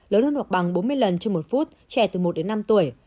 lớn hơn hoặc bằng bốn mươi lần trên một phút trẻ từ một đến năm tuổi